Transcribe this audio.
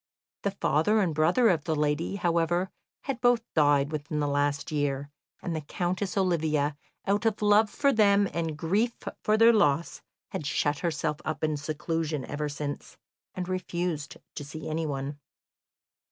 The father and brother of the lady, however, had both died within the last year, and the Countess Olivia out of love for them and grief for their loss had shut herself up in seclusion ever since, and refused to see anyone.